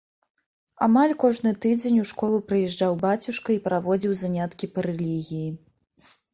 Амаль кожны тыдзень у школу прыязджаў бацюшка і праводзіў заняткі па рэлігіі.